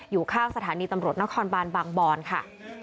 อยู่ข้างสถานีตำรวจนครบานบางบอนค่ะ